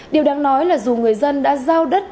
điều đáng nói là dù người dân đã giao đất